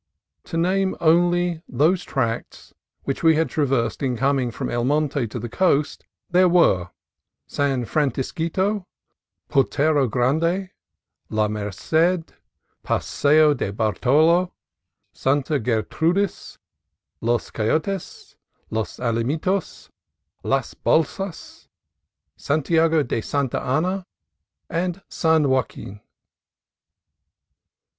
To name only those tracts which we had traversed in coming from El Monte to the coast, there were, — San Francisquito, Potrero Grande, La Merced, Paso de Bartolo, Santa Gertrudis, Los Coyotes, Los Alamitos, Las Bolsas, Santiago de Santa Ana, and San Joaquin.